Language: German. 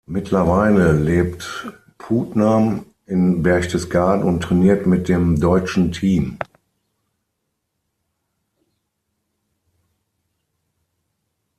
Mittlerweile lebt Putnam in Berchtesgaden und trainiert mit dem deutschen Team.